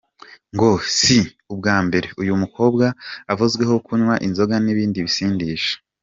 Ngo si ubwa mbere uyu mukobwa avuzweho kunywa inzoga n’ibindi bisindisha.